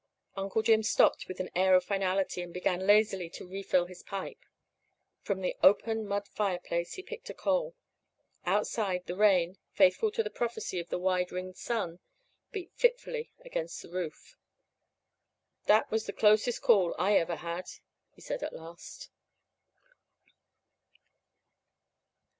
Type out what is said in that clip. Uncle Jim stopped with an air of finality, and began lazily to refill his pipe. From the open mud fireplace he picked a coal. Outside, the rain, faithful to the prophecy of the wide ringed sun, beat fitfully against the roof. "That was the closest call I ever had," said he at last.